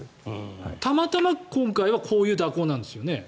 たまたま今回はこういう蛇行なんですよね？